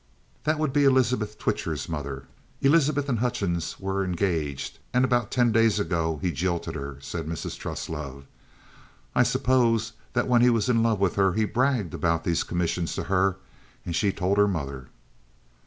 "That would be Elizabeth Twitcher's mother. Elizabeth and Hutchings were engaged, and about ten days ago he jilted her," said Mrs. Truslove. "I suppose that when he was in love with her he bragged about these commissions to her and she told her mother."